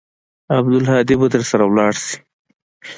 عبدالهادي به درسره ولاړ سي.